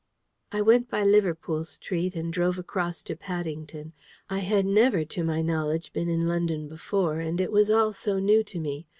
I went by Liverpool Street, and drove across to Paddington. I had never, to my knowledge, been in London before: and it was all so new to me.